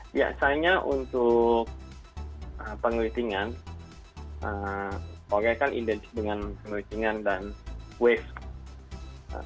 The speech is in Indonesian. biasanya untuk pengelitingan korea kan identis dengan pengelitingan dan wave